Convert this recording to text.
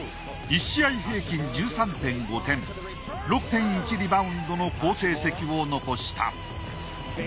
１試合平均１３．５点６．１リバウンドの好成績を残した。